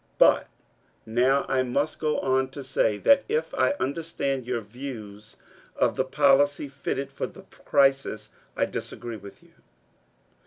But now I must go on to say that, if I understand your views of the policy fitted for the crisis, I disagree with you.